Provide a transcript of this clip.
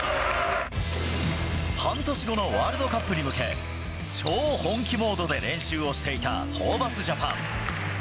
半年後のワールドカップに向け、超本気モードで練習をしていたホーバスジャパン。